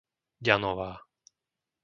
Ďanová